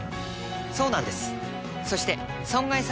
そうなんです。